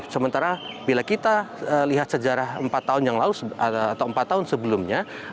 sementara bila kita lihat sejarah empat tahun yang lalu atau empat tahun sebelumnya